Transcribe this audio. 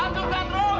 kapak emann ya ya